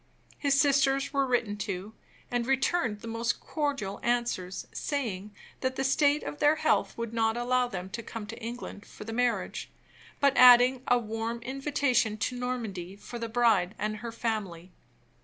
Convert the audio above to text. His sisters were written to, and returned the most cordial answers; saying that the state of their health would not allow them to come to England for the marriage; but adding a warm invitation to Normandy for the bride and her family.